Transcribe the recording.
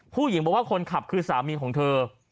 ผู้หญิงบอกว่าคนขับคือสามีของเธอ